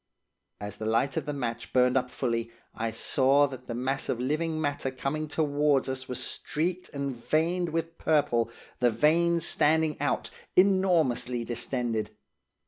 "As the light of the match burned up fully, I saw that the mass of living matter coming towards us was streaked and veined with purple, the veins standing out, enormously distended.